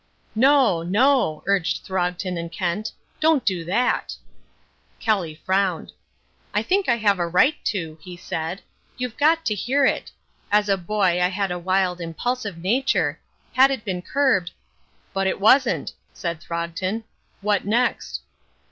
"No, no," urged Throgton and Kent, "don't do that!" Kelly frowned. "I think I have a right to," he said. "You've got to hear it. As a boy I had a wild, impulsive nature. Had it been curbed " "But it wasn't," said Throgton. "What next?"